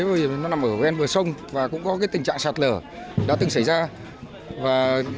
bởi vì nó nằm ở bên bờ sông và cũng có tình trạng sạt lở đã từng xảy ra